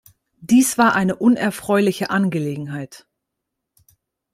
Dies war eine unerfreuliche Angelegenheit.